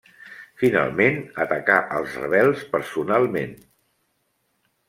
Finalment, atacà els rebels personalment.